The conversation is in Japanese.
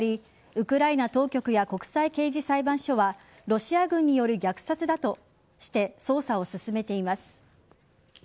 ウクライナ当局や国際刑事裁判所はロシア軍による虐殺だとして捜査を進めています。